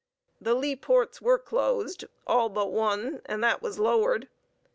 The lee ports were closed, all but one, and that was lowered.